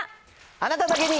あなただけに！